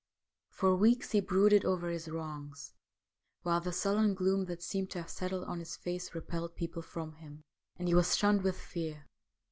For weeks he brooded over his wrongs, while the sullen gloom that seemed to have settled on his face repelled people from him, and he was shunned with fear.